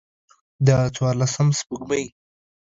د څوارلسم سپوږمۍ